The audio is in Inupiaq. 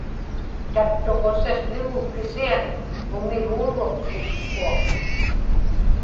tattuqusiqł̣ugu kisian umiguuruq upkuaq